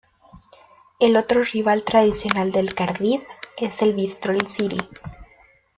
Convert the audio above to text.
El otro rival tradicional del Cardiff es el Bristol City.